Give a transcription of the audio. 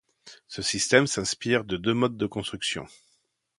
Ce système s'inspire de deux modes de construction.